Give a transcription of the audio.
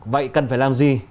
vậy cần phải làm gì